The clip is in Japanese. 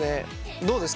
どうですかね？